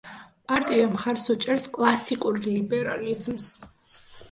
პარტია მხარს უჭერს კლასიკურ ლიბერალიზმს.